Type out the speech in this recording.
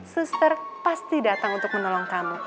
suster pasti datang untuk menolong kamu